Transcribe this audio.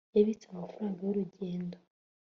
yabitse amafaranga y'urugendo